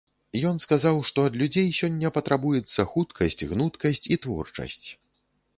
Ён сказаў, што ад людзей сёння патрабуецца хуткасць, гнуткасць і творчасць.